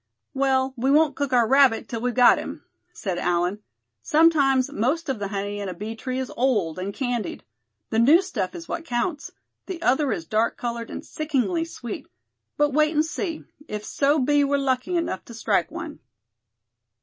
"Well, we won't cook our rabbit till we've got him," said Allan. "Sometimes most of the honey in a bee tree is old, and candied. The new stuff is what counts. The other is dark colored and sickening sweet. But wait and see, if so be we're lucky enough to strike one."